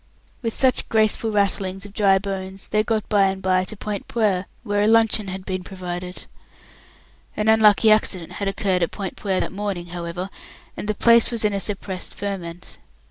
With such graceful rattlings of dry bones, they got by and by to Point Puer, where a luncheon had been provided. An unlucky accident had occurred at Point Puer that morning, however, and the place was in a suppressed ferment.